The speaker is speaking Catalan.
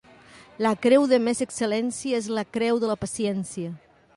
La creu de més excel·lència és la creu de la paciència.